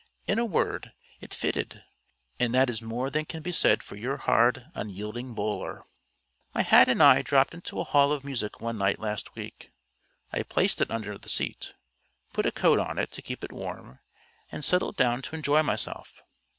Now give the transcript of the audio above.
In a word, it fitted and that is more than can be said for your hard, unyielding bowler. My hat and I dropped into a hall of music one night last week. I placed it under the seat, put a coat on it to keep it warm, and settled down to enjoy myself.